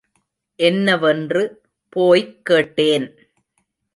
என்னவென்று போய்க் கேட்டேன்.